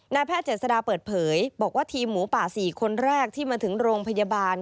แพทย์เจษฎาเปิดเผยบอกว่าทีมหมูป่า๔คนแรกที่มาถึงโรงพยาบาล